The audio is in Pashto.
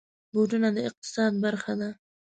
بوټونه د اقتصاد برخه ده.